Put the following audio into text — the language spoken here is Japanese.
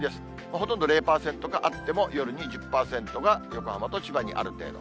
ほとんど０％か、あっても夜に１０％が横浜と千葉にある程度。